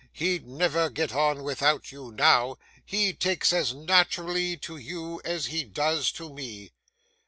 He'd never get on without you, now; he takes as naturally to you as he does to me.